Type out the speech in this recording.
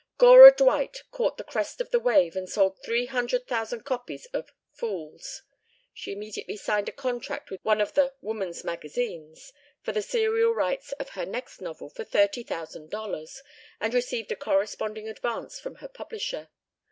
Gora Dwight caught the crest of the wave and sold three hundred thousand copies of "Fools." She immediately signed a contract with one of the "woman's magazines" for the serial rights of her next novel for thirty thousand dollars, and received a corresponding advance from her publisher.